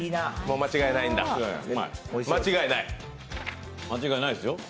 間違いないですよ。